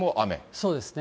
そうですね。